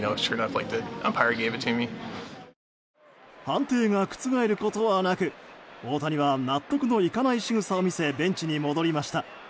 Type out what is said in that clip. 判定が覆ることはなく、大谷は納得のいかないしぐさを見せベンチに戻りました。